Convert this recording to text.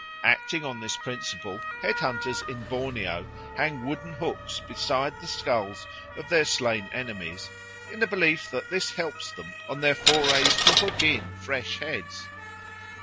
Acting on this principle head hunters in Borneo hang wooden hooks beside the skulls of their slain enemies in the belief that this helps them on their forays to hook in fresh heads.